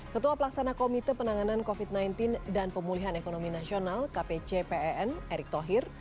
ketua pelaksana komite penanganan covid sembilan belas dan pemulihan ekonomi nasional kpcpn erik tohir